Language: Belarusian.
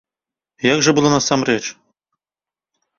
Як жа было насамрэч?